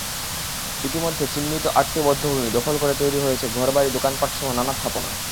ইতিমধ্যে চিহ্নিত আটটি বধ্যভূমি দখল করে তৈরি হয়েছে ঘরবাড়ি, দোকানপাটসহ নানা স্থাপনা।